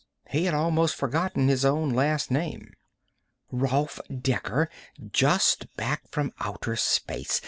He had almost forgotten his own last name. "Rolf Dekker, just back from outer space.